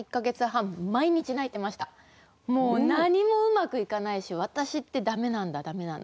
もう何もうまくいかないし私って駄目なんだ駄目なんだ。